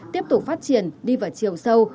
tiếp tục phát triển đi vào chiều sâu